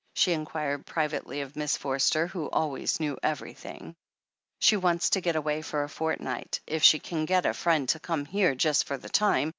she inquired privately of Miss Forster, who always knew everjrthing. "She wants to get away for a fortnight, if she can get a friend to come here just for the time.